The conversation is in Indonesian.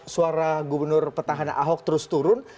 suara gubernur petahana ahok terus turun